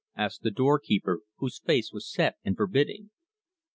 asked the door keeper, whose face was set and forbidding.